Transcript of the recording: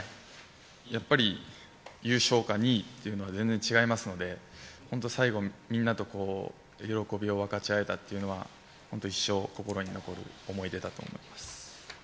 やっぱり優勝か２位というのは全然違いますので最後にみんなと喜びを分かち合えたというのは一生心に残る思い出だと思います。